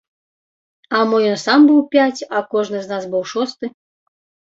А мо ён сам быў пяць, а кожны з нас быў шосты.